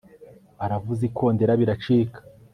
aravuza ikondera biracika